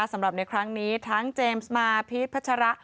สำหรับในครั้งนี้ทั้งเจมส์มาพีชพัชระ